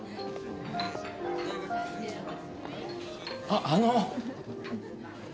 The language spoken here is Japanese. あっあの。